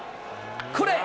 これ。